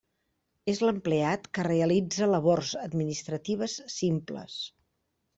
És l'empleat que realitza labors administratives simples.